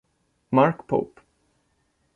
Mark Pope